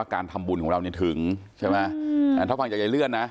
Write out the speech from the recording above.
การทำบุญของเรานี่ถึงใช่ไหมถ้าฟังจากยายเลื่อนนะ